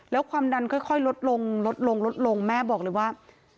แล้วความดันค่อยลดลงแม่บอกเลยว่า